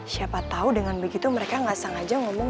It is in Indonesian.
siapa tau dengan begitu mereka ga sengaja ngomong